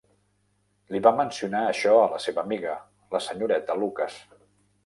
Li va mencionar això a la seva amiga, la senyoreta Lucas.